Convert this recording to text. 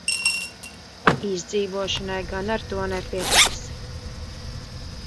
Izdzīvošanai gan ar to nepietiks.